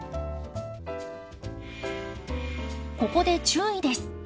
ここで注意です。